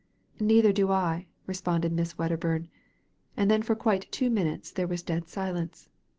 "Neither do I," responded Miss Wedderbum ; and then for quite two minutes there was a dead silence.